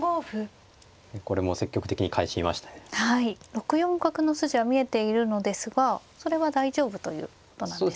６四角の筋は見えているのですがそれは大丈夫ということなんですね。